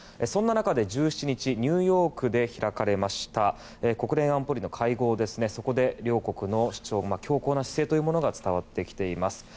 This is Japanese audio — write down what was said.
そんな中で１７日ニューヨークで開かれました国連安保理の会合で両国の強硬な姿勢が伝わってきています。